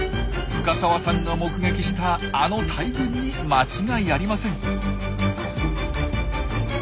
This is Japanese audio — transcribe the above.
深澤さんが目撃したあの大群に間違いありません。